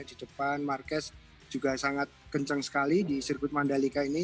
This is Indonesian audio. di depan marquez juga sangat kencang sekali di sirkuit mandalika ini